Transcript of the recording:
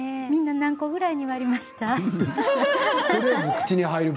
みんな何個ぐらいに割りました？